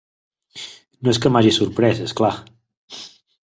No és que m'hagi sorprès, és clar.